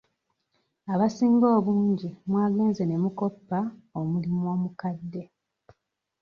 Abasinga obungi mwagenze ne mukoppa omulimu omukadde.